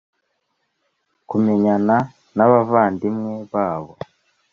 kumenyana n’abavandimwe babo.